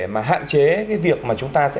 mà hạn chế cái việc mà chúng ta sẽ